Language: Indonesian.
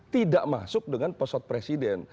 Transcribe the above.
tidak masuk dengan pesawat presiden